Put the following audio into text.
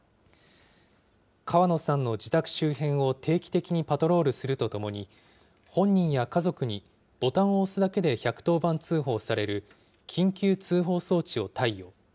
川野さんの自宅周辺を定期的にパトロールするとともに、本人や家族にボタンを押すだけで１１０番通報される緊急通報装置を貸与。